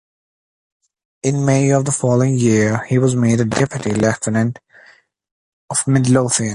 In May of the following year he was made a Deputy Lieutenant of Midlothian.